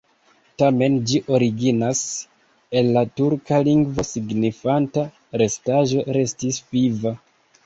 Tamen ĝi originas el la turka lingvo signifanta: restaĵo, restis viva.